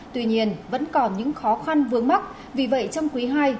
tuy nhiên vẫn còn những khó khăn vướng mắc vì vậy trong quý ii